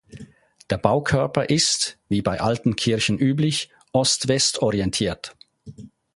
Der Baukörper ist, wie bei alten Kirchen üblich, ost-west-orientiert.